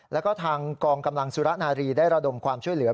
แล้วก็ทางกองกำลังสุรนารีได้ระดมความช่วยเหลือ